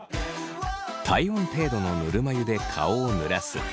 体温程度のぬるま湯で顔をぬらす。